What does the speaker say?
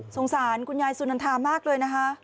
สารคุณยายสุนันทามากเลยนะคะ